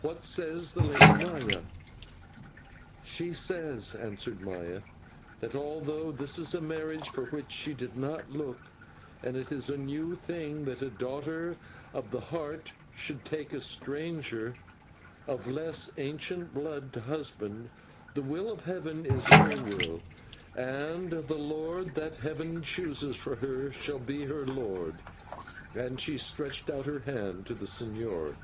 What says the Lady Maya?" "She says," answered Maya, "that although this is a marriage for which she did not look, and it is a new thing that a daughter of the Heart should take a stranger of less ancient blood to husband, the will of Heaven is her will, and the lord that Heaven chooses for her shall be her lord" and she stretched out her hand to the señor.